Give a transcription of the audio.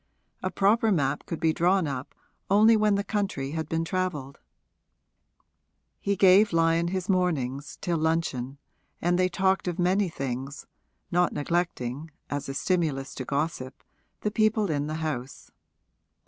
A proper map could be drawn up only when the country had been travelled. He gave Lyon his mornings, till luncheon, and they talked of many things, not neglecting, as a stimulus to gossip, the people in the house.